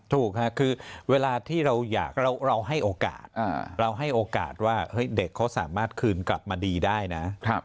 ถูกค่ะแค่เวลาที่เราให้โอกาสเด็กเขาสามารถคืนกลับมาดีได้นะ